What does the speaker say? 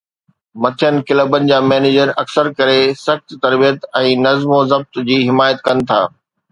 مٿين ڪلبن جا مينيجر اڪثر ڪري سخت تربيت ۽ نظم و ضبط جي حمايت ڪن ٿا.